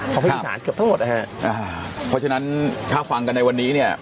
ภาคอีสานเกือบทั้งหมดนะฮะอ่าเพราะฉะนั้นถ้าฟังกันในวันนี้เนี่ย